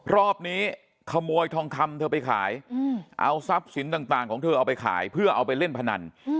รอบนี้ขโมยทองคำเธอไปขายเอาทรัพย์สินต่างของเธอเอาไปขายเพื่อเอาไปเล่นพนัน